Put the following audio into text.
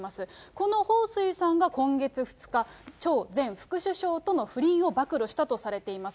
この彭帥さんが今月２日、張前副首相との不倫を暴露したとされています。